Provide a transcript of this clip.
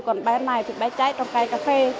còn bé này thì bé cháy trong cây cà phê